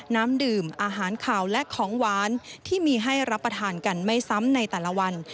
น้ำดื่มอาหารขาวและของหวานที่มีให้รับประทานกันไม่ซ้ำในแต่ละวัน